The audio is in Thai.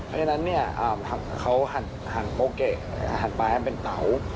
เพราะฉะนั้นเขาหั่นโพเกะหั่นปลาให้เป็นเตา